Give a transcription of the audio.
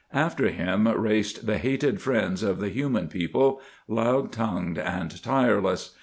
After him raced the hated friends of the human people, loud tongued and tireless.